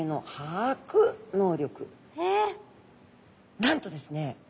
なんとですね